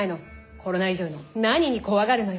コロナ以上の何に怖がるのよ？